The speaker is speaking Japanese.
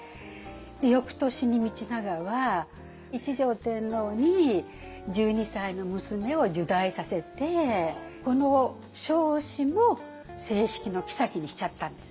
翌年に道長は一条天皇に１２歳の娘を入内させてこの彰子も正式の后にしちゃったんです。